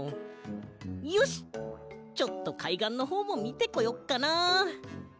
よしちょっとかいがんのほうもみてこよっかな。